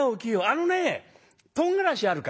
あのねとんがらしあるかい？